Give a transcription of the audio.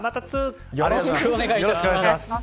よろしくお願いします。